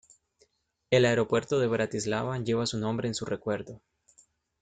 El aeropuerto de Bratislava lleva su nombre en su recuerdo.